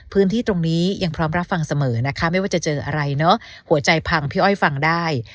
พื้นที่ตรงนี้ยังพร้อมรับฟังเสมอนะคะไม่ว่าจะเจออะไรเนอะหัวใจพังพี่อ้อยฟังได้